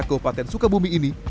asal bojong asi desa cikaka